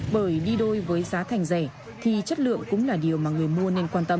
bởi đi đôi với giá thành rẻ thì chất lượng cũng là điều mà người mua nên quan tâm